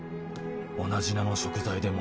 「同じ名の食材でも」